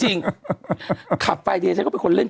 เป็นการกระตุ้นการไหลเวียนของเลือด